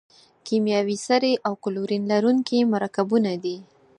کیمیاوي سرې او کلورین لرونکي مرکبونه دي.